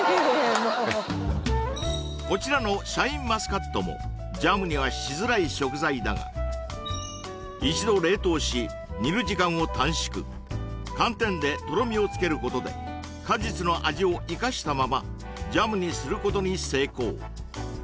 もうこちらのシャインマスカットもジャムにはしづらい食材だが一度冷凍し煮る時間を短縮寒天でとろみをつけることで果実の味をいかしたままジャムにすることに成功